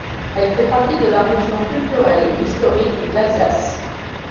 Elle fait partie de la Région culturelle et historique d'Alsace.